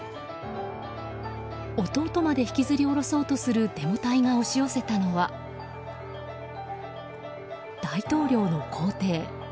弟まで引きずり下ろそうとするデモ隊が押し寄せたのは大統領の公邸。